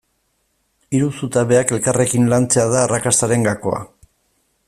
Hiru zutabeak elkarrekin lantzea da arrakastaren gakoa.